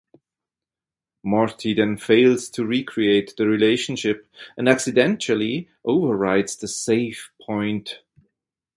Morty then fails to recreate the relationship and accidentally overwrites the save point.